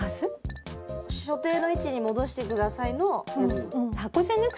所定の位置に戻してくださいのやつ？